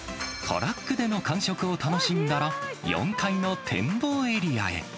トラックでの感触を楽しんだら、４階の展望エリアへ。